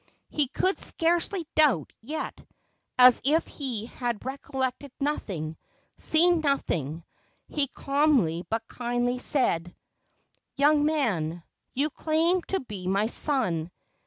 He could scarcely doubt, yet, as if he had recollected nothing, seen nothing, he calmly but kindly said: "Young man, you claim to be my son.